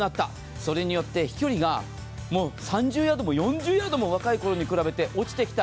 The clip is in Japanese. それによって飛距離が３０ヤードも４０ヤードも若い頃に比べて落ちてきた。